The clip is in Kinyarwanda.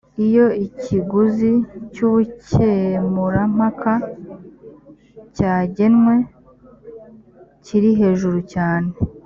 iyo ikiguzi cy ubukemurampaka cyagenwe kiri hejuru cyane